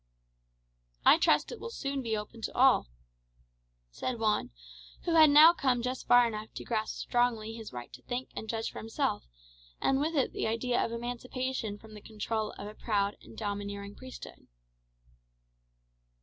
"I trust it will soon be open to them all," said Juan, who had now come just far enough to grasp strongly his right to think and judge for himself, and with it the idea of emancipation from the control of a proud and domineering priesthood.